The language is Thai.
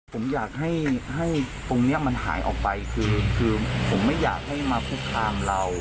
ผมอยากให้ตรงนี้มันหายออกไปคือผมไม่อยากให้มาคุกคามเรา